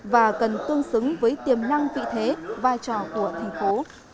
và cần tương xứng với tiềm năng vị thế vai trò của thành phố